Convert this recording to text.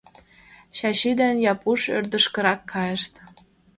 Чачи ден Япуш ӧрдыжкырак кайышт.